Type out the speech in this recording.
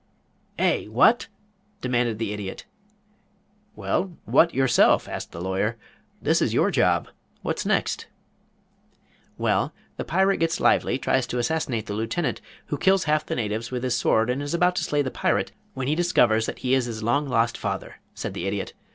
"Eh! What?" demanded the Idiot. "Well what yourself?" asked the Lawyer. "This is your job. What next?" "Well the Pirate gets lively, tries to assassinate the Lieutenant, who kills half the natives with his sword and is about to slay the Pirate when he discovers that he is his long lost father," said the Idiot.